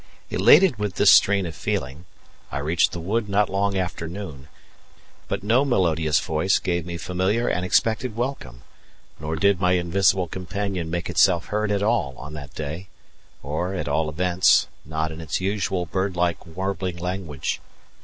Elated with this strain of feeling, I reached the wood not long after noon; but no melodious voice gave me familiar and expected welcome; nor did my invisible companion make itself heard at all on that day, or, at all events, not in its usual bird like warbling language.